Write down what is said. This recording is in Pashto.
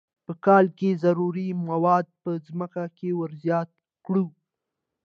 په کال کې ضروري مواد په ځمکه کې ور زیات کړو.